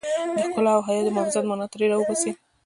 د ښکلا او حيا د محافظت مانا ترې را وباسي.